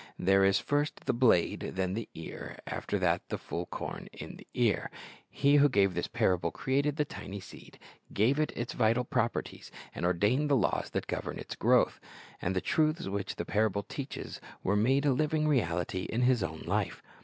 There is "first the blade, then the ear, after that the full corn in the ear." He who 1 1 Cor. 3 :q Other Lessons from Seed Solving 83 gave this parable created the tiny seed, gave it its vital properties, and ordained the laws that govern its growth. And the truths which the parable teaches were made a living reality in His own life.